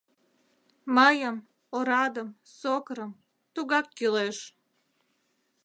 Мыйым, орадым, сокырым — тугак кӱлеш.